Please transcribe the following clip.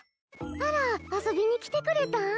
あら遊びに来てくれたん？